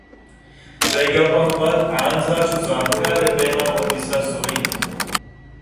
چہ اے گپاں پد ہانزءَ چو زانت کار ءِ پیم ءَ وتی سر سُرینت